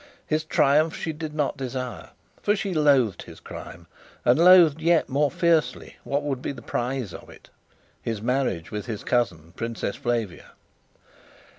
His triumph she did not desire, for she loathed his crime, and loathed yet more fiercely what would be the prize of it his marriage with his cousin, Princess Flavia.